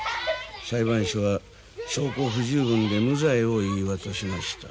裁判所は証拠不十分で無罪を言い渡しました。